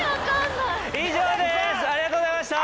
以上ですありがとうございました。